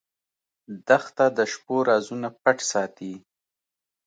دښته د شپو رازونه پټ ساتي.